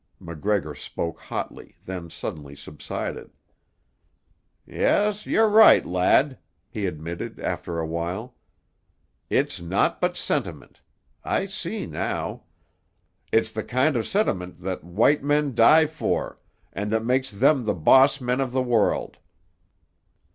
MacGregor spoke hotly, then suddenly subsided. "Yes, you're right, lad," he admitted after awhile. "It's naught but sentiment. I see now. It's the kind of sentiment that white men die for, and that makes them the boss men of the world.